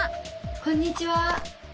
こんにちは。